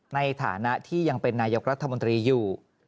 ในฐานะที่ยังเป็นนายกรัฐมนตรีอยู่